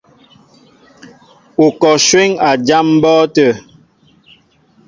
Ú kɔ shwéŋ a jám mbɔ́ɔ́tə̂.